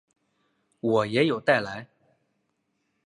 我也有带来